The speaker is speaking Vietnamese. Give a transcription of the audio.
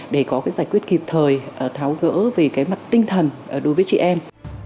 để có giải quyết kịp thời tháo gỡ về mặt tinh thần đối với chị em